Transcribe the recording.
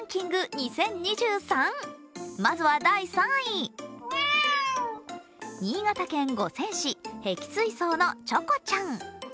２０２３まずは第３位、新潟県五泉市、碧水荘のチョコちゃん。